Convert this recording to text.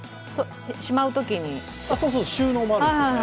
収納もあるんですよね。